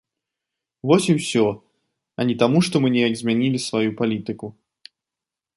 Вось і ўсё, а не таму, што мы неяк змянілі сваю палітыку.